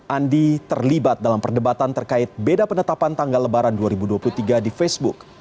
andi terlibat dalam perdebatan terkait beda penetapan tanggal lebaran dua ribu dua puluh tiga di facebook